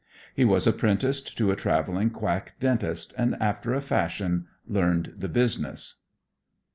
He was apprenticed to a traveling quack dentist and after a fashion, learned the business.